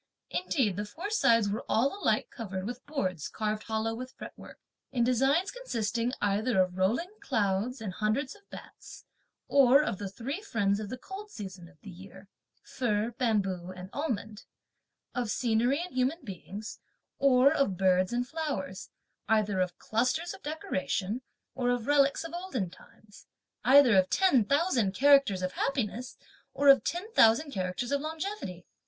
Indeed, the four sides were all alike covered with boards carved hollow with fretwork, (in designs consisting) either of rolling clouds and hundreds of bats; or of the three friends of the cold season of the year, (fir, bamboo and almond); of scenery and human beings, or of birds or flowers; either of clusters of decoration, or of relics of olden times; either of ten thousand characters of happiness or of ten thousand characters of longevity.